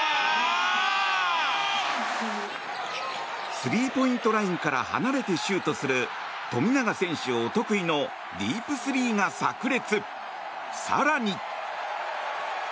スリーポイントラインから離れてシュートする富永選手お得意のディープスリーがさく裂。